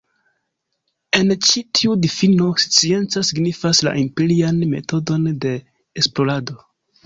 En ĉi tiu difino, scienca signifas la empirian metodon de esplorado.